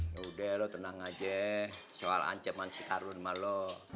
yaudah lo tenang aja soal ancaman si karun sama lo